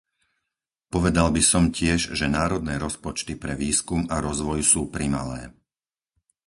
Povedal by som tiež, že národné rozpočty pre výskum a rozvoj sú primalé.